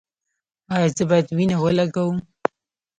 ایا زه باید وینه ولګوم؟